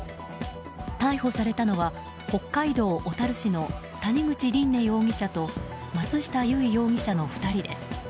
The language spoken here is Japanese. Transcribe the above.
逮捕されたのは北海道小樽市の谷口鈴音容疑者と松下結依容疑者の２人です。